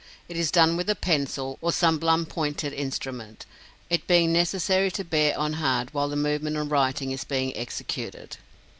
It is done with a pencil, or some blunt pointed instrument, it being necessary to bear on hard while the movement of writing is being executed.